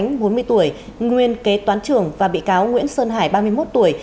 nguyễn bốn mươi tuổi nguyên kế toán trưởng và bị cáo nguyễn sơn hải ba mươi một tuổi